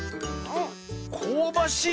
こうばしい！